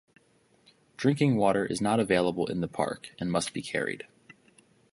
Drinking water is not available in the park and must be carried.